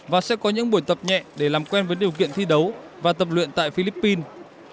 và sẽ có những buổi tập nhẹ để làm quen với điều kiện thi đấu và tập luyện tại philippines